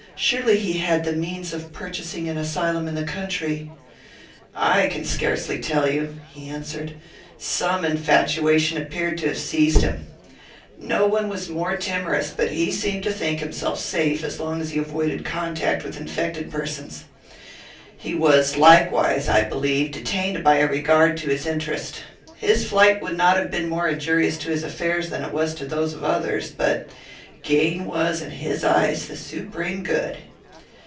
Surely he had the means of purchasing an asylum in the country." "I can scarcely tell you," he answered. "Some infatuation appeared to have seized him. No one was more timorous; but he seemed to think himself safe as long as he avoided contact with infected persons. He was likewise, I believe, detained by a regard to his interest. His flight would not have been more injurious to his affairs than it was to those of others; but gain was, in his eyes, the supreme good.